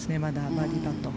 バーディーパット。